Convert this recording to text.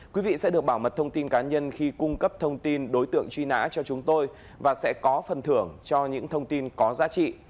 quý vị sẽ được bảo mật thông tin cá nhân khi cung cấp thông tin đối tượng truy nã cho chúng tôi và sẽ có phần thưởng cho những thông tin có giá trị